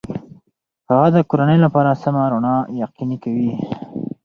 هغه د کورنۍ لپاره سمه رڼا یقیني کوي.